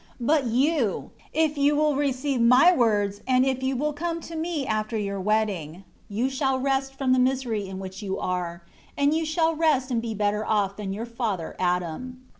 10 But you, if you will receive my words and if you will come to me after your wedding, you shall rest from the misery in which you are; and you shall rest and be better off than your father Adam."